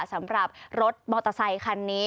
สำหรับรถมอเตอร์ไซคันนี้